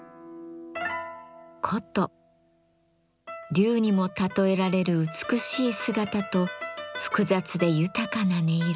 龍にも例えられる美しい姿と複雑で豊かな音色。